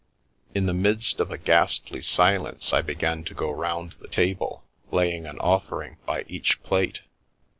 In the midst of a ghastly silence, I began to go round the table, laying an offering by each plate.